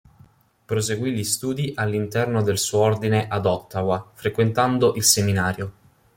Proseguì gli studi all'interno del suo ordine ad Ottawa, frequentando il seminario.